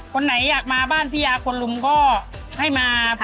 คนไหนอยากมาบ้านพี่ยาคนลุงก็ให้มา